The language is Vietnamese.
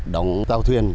đóng tàu thuyền